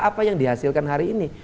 apa yang dihasilkan hari ini